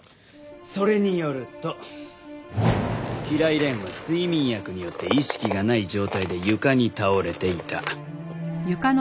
それによると平井蓮は睡眠薬によって意識がない状態で床に倒れていた。